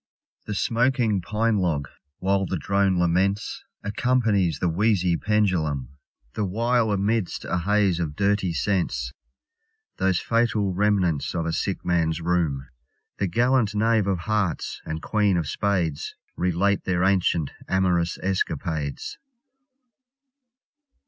The smoking pine log, while the drone laments, Accompanies the wheezy pendulum, The while amidst a haze of dirty scents, Those fatal remnants of a sick man's room The gallant knave of hearts and queen of spades Relate their ancient amorous escapades.